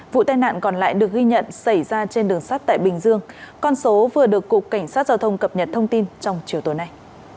vụ tai nạn còn lại được ghi nhận xảy ra trên đường sắt tại bình dương con số vừa được cục cảnh sát giao thông cập nhật thông tin trong chiều tối nay